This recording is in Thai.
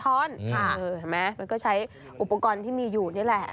เห็นไหมมันก็ใช้อุปกรณ์ที่มีอยู่นี่แหละ